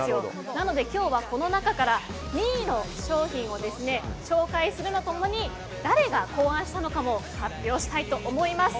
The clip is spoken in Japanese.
なので今日はこの中から２位の商品を紹介するとともに誰が考案したのかも発表したいと思います。